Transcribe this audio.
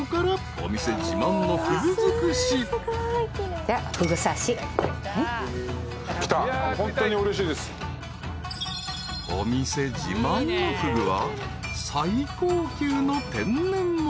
［お店自慢のふぐは最高級の天然物］